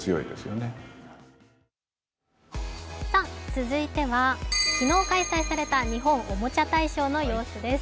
続いては昨日開催された日本おもちゃ大賞の様子です。